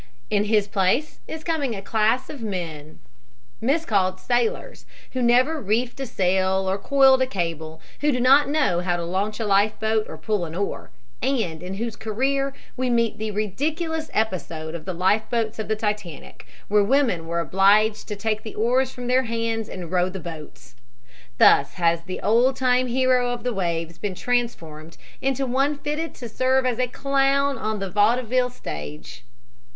In his place is coming a class of men miscalled sailors, who never reefed a sail or coiled a cable, who do not know how to launch a life boat or pull an oar, and in whose career we meet the ridiculous episode of the life boats of the Titanic, where women were obliged to take the oars from their hands and row the boats. Thus has the old time hero of the waves been transformed into one fitted to serve as a clown of the vaudeville stage.